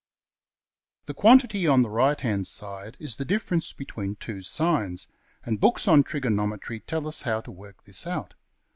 \] The quantity on the right hand side is the difference between two sines, and books on trigonometry tell us how to work this out.